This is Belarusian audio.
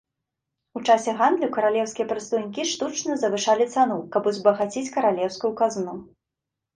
У часе гандлю каралеўскія прадстаўнікі штучна завышалі цану, каб узбагаціць каралеўскую казну.